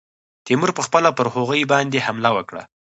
تیمور پخپله پر هغوی باندي حمله وکړه.